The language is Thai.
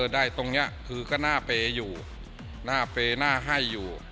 ได้ตรงนี้คือก็หน้าเปย์อยู่หน้าเปย์หน้าให้อยู่